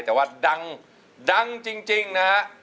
แต่ว่าดังดังจริงนะฮะ